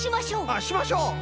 あしましょう！